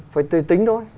phải tính thôi